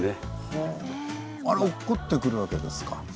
ほぉあれ落っこってくるわけですか。